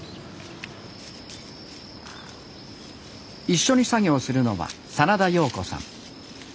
一緒に作業するのは真田陽子さん。